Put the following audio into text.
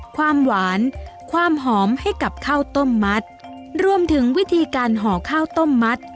ความหวานความหอมให้กับข้าวต้มมัดรวมถึงวิธีการห่อข้าวต้มมัด